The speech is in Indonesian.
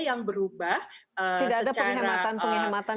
yang berubah tidak ada penghematan penghematan